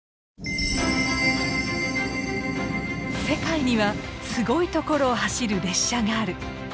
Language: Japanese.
世界にはすごい所を走る列車がある！